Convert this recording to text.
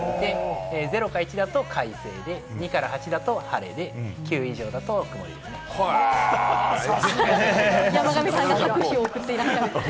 ０か１だと快晴で、２から８だと晴れで、山神さんが拍手を送っていらっしゃいます。